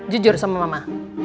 jujur sama mama